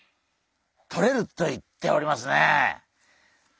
とれると言っておりますね。